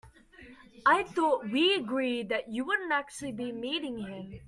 I thought we'd agreed that you wouldn't actually be meeting him?